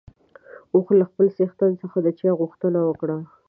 اوښ له خپل څښتن څخه د چای غوښتنه وکړه.